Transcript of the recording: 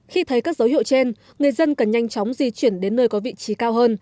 khi thấy các dấu hiệu trên người dân cần nhanh chóng di chuyển đến nơi có vị trí cao hơn